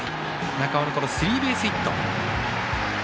中尾のスリーベースヒット。